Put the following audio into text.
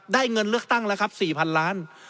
เงินเลือกตั้งแล้วครับ๔๐๐๐ล้าน